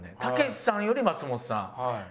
たけしさんより松本さん。